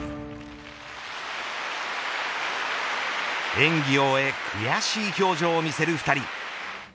演技を終え悔しい表情を見せる２人。